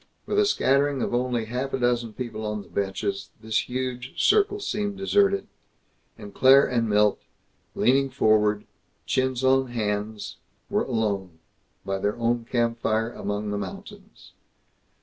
With a scattering of only half a dozen people on the benches, this huge circle seemed deserted; and Claire and Milt, leaning forward, chins on hands, were alone by their own campfire, among the mountains.